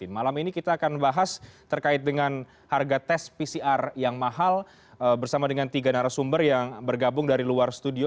malam ini kita akan bahas terkait dengan harga tes pcr yang mahal bersama dengan tiga narasumber yang bergabung dari luar studio